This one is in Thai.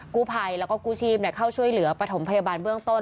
กู้ภัยแล้วก็กู้ชีพเข้าช่วยเหลือปฐมพยาบาลเบื้องต้น